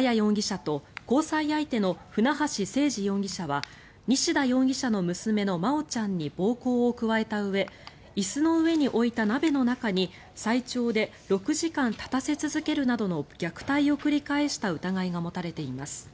容疑者と交際相手の船橋誠二容疑者は西田容疑者の娘の真愛ちゃんに暴行を加えたうえ椅子の上に置いた鍋の中に最長で６時間立たせ続けるなどの虐待を繰り返した疑いが持たれています。